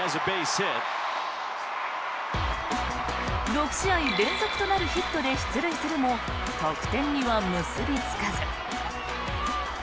６試合連続となるヒットで出塁するも得点には結びつかず。